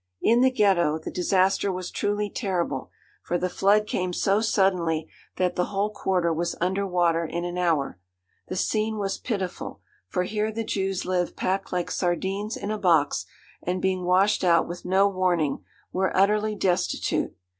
In the Ghetto the disaster was truly terrible, for the flood came so suddenly that the whole quarter was under water in an hour. The scene was pitiful; for here the Jews live packed like sardines in a box, and being washed out with no warning, were utterly destitute.